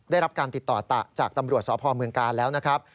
ได้รับการติดต่อจากตำรวจสพเมืองกาลแล้วนะครับ